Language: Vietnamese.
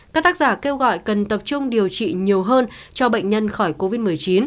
các tác giả kêu gọi cần tập trung điều trị nhiều hơn cho bệnh nhân khỏi covid một mươi chín